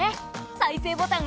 再生ボタン。